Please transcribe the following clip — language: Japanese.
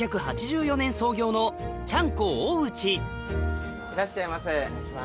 まずはいらっしゃいませ。